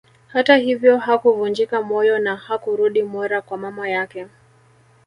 Hata hivyo hakuvunjika moyo na hakurudi Mwera kwa mama yake